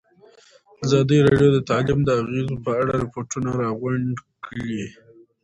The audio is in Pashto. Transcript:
ازادي راډیو د تعلیم د اغېزو په اړه ریپوټونه راغونډ کړي.